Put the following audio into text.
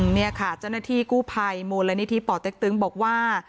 นี่ค่ะเจ้าหน้าที่กู้ภัยมูลนิธิป่อเต็กตึงบอกว่า